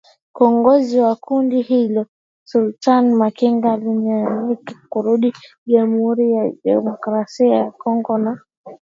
Kiongozi wa kundi hilo Sultani Makenga anaaminika kurudi jamhuri ya kidemokrasia ya Kongo na